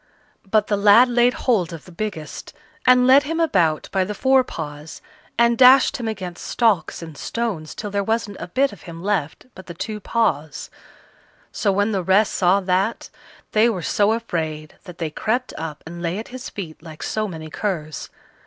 But the lad laid hold of the biggest, and led him about by the fore paws, and dashed him against stocks and stones till there wasn't a bit of him left but the two paws. So when the rest saw that, they were so afraid that they crept up and lay at his feet like so many curs.